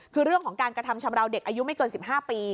คือเรื่องของการกระทำชำราวเด็กอายุไม่เกิน๑๕ปี